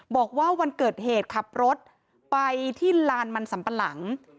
บอกว่าวันเกิดเหตุขับรถไปที่ลานมันสัมปะหลัง